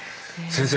先生